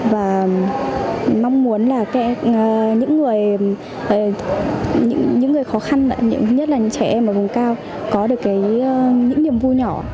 và mong muốn là những người khó khăn nhất là những trẻ em ở vùng cao có được những niềm vui nhỏ